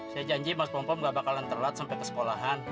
saya janji mas pompom gak bakalan telat sampai ke sekolahan